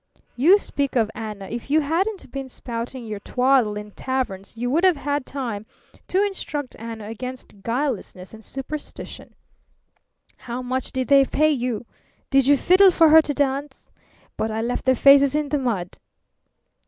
"You speak of Anna! If you hadn't been spouting your twaddle in taverns you would have had time to instruct Anna against guilelessness and superstition." "How much did they pay you? Did you fiddle for her to dance?... But I left their faces in the mud!"